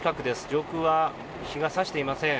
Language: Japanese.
上空は日が差していません。